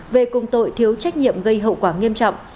về cùng tội thiếu trách nhiệm gây hậu quả nghiêm trọng